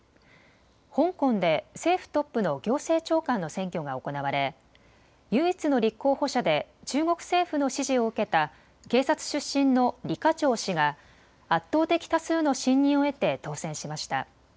香港で政府トップの行政長官の選挙が行われ唯一の立候補者で中国政府の支持を受けた警察出身の李家超氏が圧倒的多数の信任を得て当選しました。